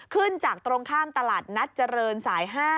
ขึ้นจากตรงข้ามตลาดนัดเจริญสาย๕